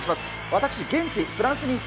私、現地、フランスに行